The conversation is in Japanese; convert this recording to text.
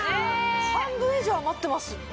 半分以上余ってます。